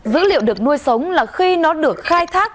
dữ liệu được nuôi sống là khi nó được khai thác